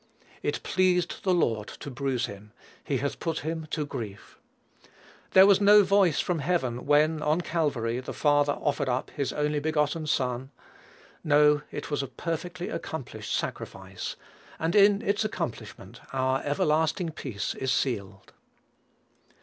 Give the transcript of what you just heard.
"It pleased the Lord to bruise him; he hath put him to grief." There was no voice from heaven when, on Calvary, the Father offered up his only begotten Son. No, it was a perfectly accomplished sacrifice; and in its accomplishment our everlasting peace is sealed.